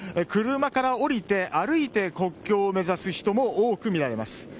車から降りて歩いて国境を目指す人も多く見られます。